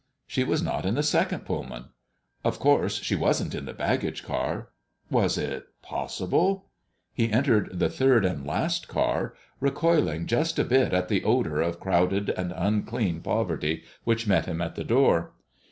She was not in the second Pullman. Of course she wasn't in the baggage car. Was it possible ? He entered the third and last car, recoiling just a bit at the odor of crowded and unclean poverty which met him at the door.